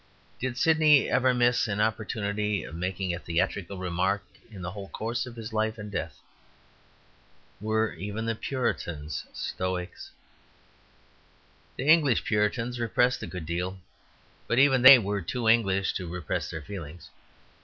Did Sydney ever miss an opportunity of making a theatrical remark in the whole course of his life and death? Were even the Puritans Stoics? The English Puritans repressed a good deal, but even they were too English to repress their feelings.